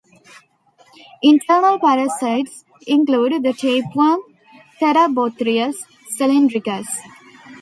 Internal parasites include the tapeworm "Tetrabothrius cylindricus".